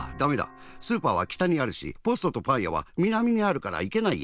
スーパーは北にあるしポストとパンやは南にあるからいけないや。